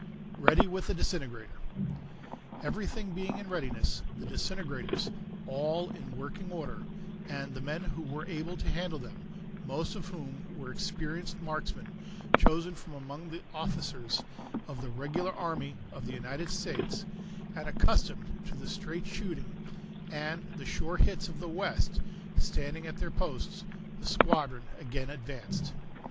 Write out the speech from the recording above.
Ready with the Disintegrator. Everything being in readiness, the disintegrators all in working order, and the men who were able to handle them, most of whom were experienced marksmen, chosen from among the officers of the regular army of the United States, and accustomed to the straight shooting and the sure hits of the West, standing at their posts, the squadron again advanced.